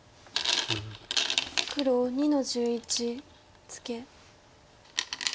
黒２の十一ツケ。